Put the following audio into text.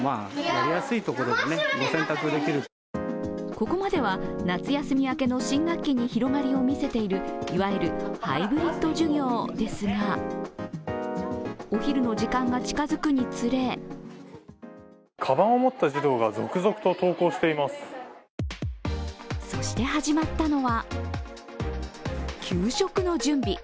ここまでは夏休み明けの新学期に広がりを見せているいわゆるハイブリッド授業ですがお昼の時間が近づくれにつれそして始まったのは給食の準備。